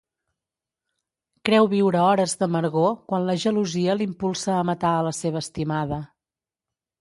Creu viure hores d'amargor quan la gelosia l'impulsa a matar a la seva estimada.